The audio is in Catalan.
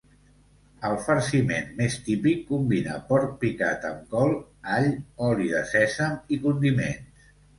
El farciment més típic combina porc picat amb col, all, oli de sèsam, i condiments.